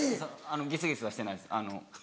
ギスギスはしてないです。